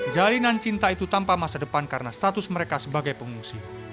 jalinan cinta itu tanpa masa depan karena status mereka sebagai pengungsi